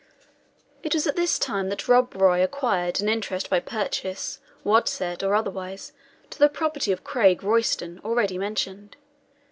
It was at this time that Rob Roy acquired an interest by purchase, wadset, or otherwise, to the property of Craig Royston already mentioned.